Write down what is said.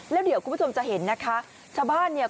แล้วเดี๋ยวคุณผู้ชมจะเห็นนะคะชาวบ้านเนี่ย